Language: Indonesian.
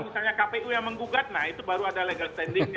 misalnya kpu yang menggugat nah itu baru ada legal standingnya